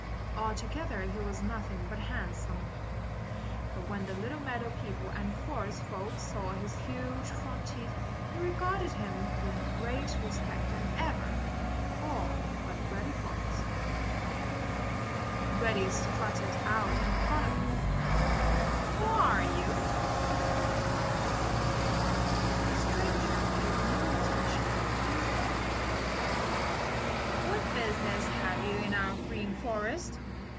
Altogether he was anything but handsome. But when the little meadow people and forest folks saw his huge front teeth they regarded him with greater respect than ever, all but Reddy Fox. Reddy strutted out in front of him. "Who are you?" he demanded. [Illustration: Reddy strutted out in front of him. "Who are you?" he demanded.] The stranger paid no attention to Reddy Fox. "What business have you in our Green Forest?"